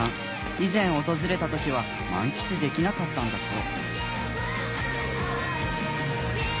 以前訪れた時は満喫できなかったんだそう。